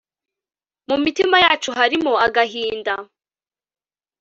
mumitima yacu harimo agahinda